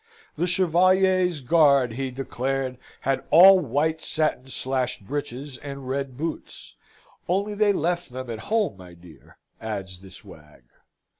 The Chevalier's Guard, he declared, had all white satin slashed breeches, and red boots "only they left them at home, my dear," adds this wag.